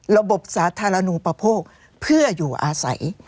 ระบบสาธารณูปโภคเพื่ออยู่อาศัย